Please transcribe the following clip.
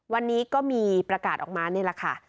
วันนี้ก็มีประกาศออกมานี่แหละค่ะ